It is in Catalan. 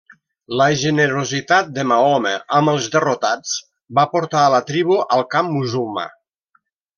La generositat de Mahoma amb els derrotats va portar a la tribu al camp musulmà.